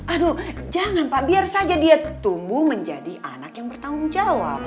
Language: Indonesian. aduh jangan pak biar saja dia tumbuh menjadi anak yang bertanggung jawab